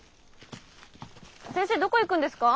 先生どこ行くんですか？